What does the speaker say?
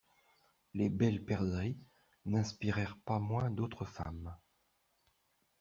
Les Belles Perdrix n’inspirèrent pas moins d’autres femmes.